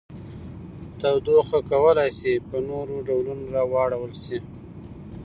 تودوخه کولی شي په نورو ډولونو واړول شي.